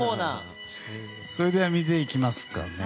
それでは見ていきますかね。